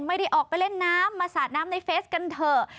ไม่ได้ออกไปเล่นน้ำมาสาดน้ำในเฟสกันเถอะ